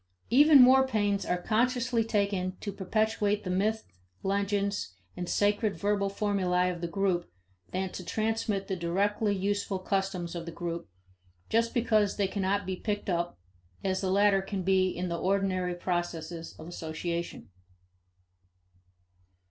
Even more pains are consciously taken to perpetuate the myths, legends, and sacred verbal formulae of the group than to transmit the directly useful customs of the group just because they cannot be picked up, as the latter can be in the ordinary processes of association.